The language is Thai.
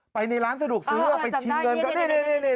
ไปในร้านสะดวกซื้อชิมเงินเข้ามานี่อันเนี่ย